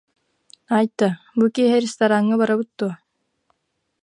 Айта, бу киэһэ рестораҥҥа барабыт дуо